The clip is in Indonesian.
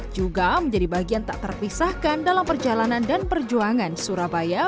juga menjadi bagian tak terpisahkan dalam perjalanan dan perjuangan surabaya